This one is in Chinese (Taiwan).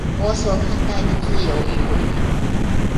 我所看待的自由與未來